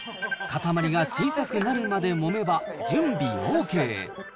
塊が小さくなるまでもめば準備ＯＫ。